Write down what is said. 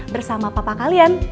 bersama papa kalian